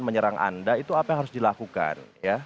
menyerang anda itu apa yang harus dilakukan